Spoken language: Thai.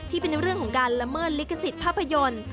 ที่เป็นเรื่องของการละเมิดลิขสิทธิภาพยนตร์